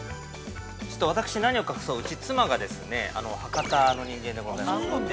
◆ちょっと私、何を隠そううち、妻がですね、博多の人間でございますんで。